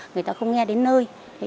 người ta không nghe đến nơi